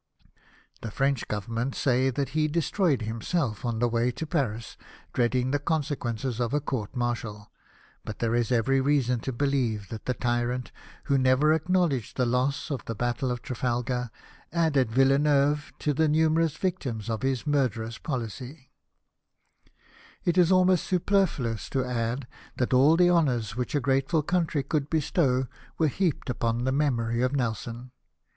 The French Govern ment say that he destroyed himself on the way to Paris, dreading the consequences of a court martial ; but there is every reason to believe that the tyrant, who never acknowledged the loss of the Battle of 824 LIFE OF NELSON, Trafalgar, added Villeneuve to the nuiiierous victims of his murderous policy It is almost superfluous to add that all the honours which a grateful country could bestow were heaped upon the memory of Nelson.